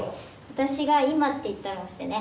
「私が今って言ったら押してね」